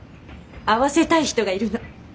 会わせたい人がいるの。